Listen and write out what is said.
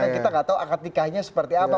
karena kita nggak tahu akad nikahnya seperti apa